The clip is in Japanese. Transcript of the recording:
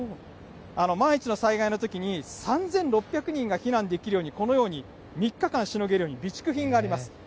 万一の災害のときに３６００人が避難できるように、このように３日間しのげる備蓄品があります。